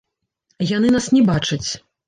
Яны нас не бачаць.